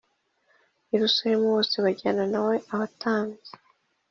Yerusalemu bose bajyana na we n abatambyi